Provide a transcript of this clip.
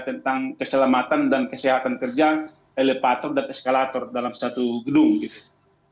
tentang keselamatan dan kesehatan kerja elevator dan eskalator dalam satu gedung gitu